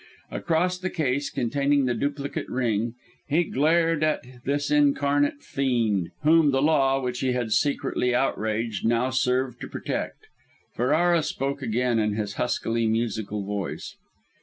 Across the case containing the duplicate ring, he glared at this incarnate fiend, whom the law, which he had secretly outraged, now served to protect. Ferrara spoke again in his huskily musical voice.